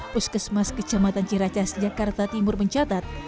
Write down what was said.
puskesmas kecamatan ciracas jakarta timur mencatat